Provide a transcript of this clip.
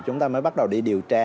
chúng ta mới bắt đầu đi điều tra